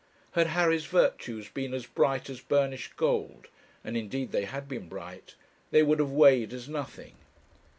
Had Harry's virtues been as bright as burnished gold and indeed they had been bright they would have weighed as nothing.